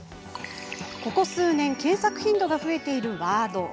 ここ数年検索頻度が増えているワード。